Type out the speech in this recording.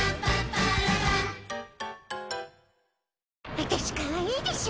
あたしかわいいでしょ？